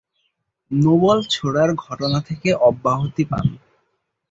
No-ball ছোঁড়ার ঘটনা থেকে অব্যহতি পান।